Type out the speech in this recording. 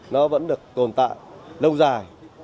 nó vẫn được tồn tại lâu dài